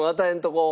こう。